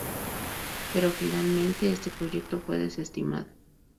Pero finalmente este proyecto fue desestimado.